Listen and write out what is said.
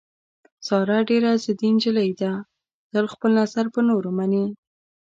ساره ډېره ضدي نجیلۍ ده، تل خپل نظر په نورو مني.